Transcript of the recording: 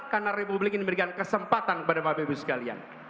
karena republik ini memberikan kesempatan kepada bapak ibu sekalian